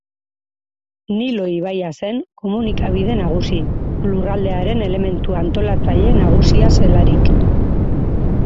Nilo ibaia zen komunikabide nagusi, lurraldearen elementu antolatzaile nagusia zelarik.